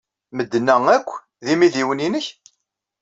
Medden-a akk d imidiwen-nnek?